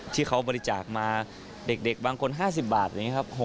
ที่เขาบริจาคมาเด็กบางคน๕๐บาทอะไรอย่างนี้ครับ